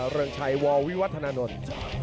เรืองชัยววิวัฒนานนท์